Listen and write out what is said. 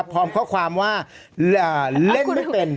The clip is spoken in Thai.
พร้อมข้อความว่าเล่นไม่เป็น